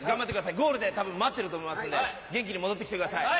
ゴールでたぶん待っていると思いますので元気で頑張ってきてください。